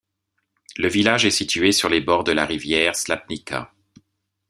Le village est situé sur les bords de la rivière Slapnica.